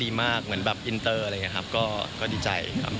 มากเหมือนแบบอินเตอร์อะไรอย่างนี้ครับก็ดีใจครับ